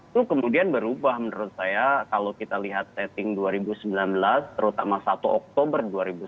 itu kemudian berubah menurut saya kalau kita lihat setting dua ribu sembilan belas terutama satu oktober dua ribu sembilan belas